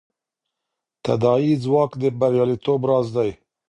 تداعي ځواک د بریالیتوب راز دی.